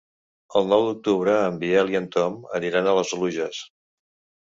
El nou d'octubre en Biel i en Tom aniran a les Oluges.